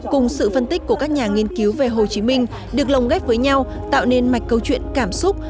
cùng sự phân tích của các nhà nghiên cứu về hồ chí minh được lồng ghép với nhau tạo nên mạch câu chuyện cảm xúc